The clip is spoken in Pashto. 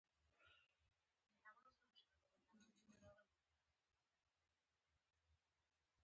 شخصي مالکیت نه و.